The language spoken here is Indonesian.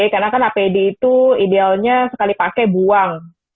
karena kan apd itu idealnya sekali pakai buang